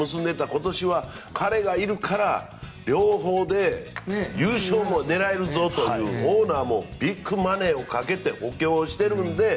今年は彼がいるから両方で優勝も狙えるぞというオーナーもビッグマネーをかけて補強しているので。